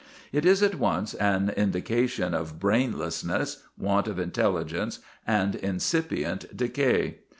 It is at once an indication of brainlessness, want of intelligence, and incipient decay.